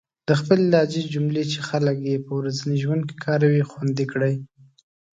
د خپلې لهجې جملې چې خلک يې په ورځني ژوند کې کاروي، خوندي کړئ.